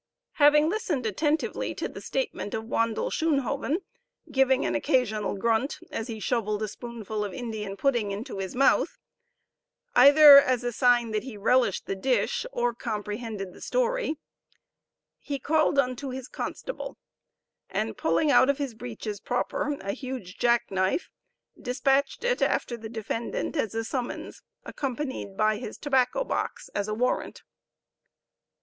Having listened attentively to the statement of Wandle Schoonhoven, giving an occasional grunt, as he shoveled a spoonful of Indian pudding into his mouth either as a sign that he relished the dish or comprehended the story he called unto his constable, and pulling out of his breeches proper a huge jack knife, dispatched it after the defendant as a summons, accompanied by his tobacco box as a warrant.